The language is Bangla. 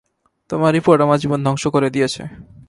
তোমার রিপোর্ট আমার জীবন ধ্বংস করে দিয়েছে।